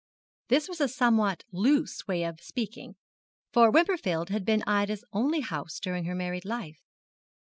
This was a somewhat loose way of speaking, for Wimperfield had been Ida's only house during her married life.